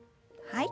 はい。